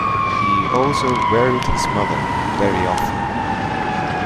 He also wearied his mother very often.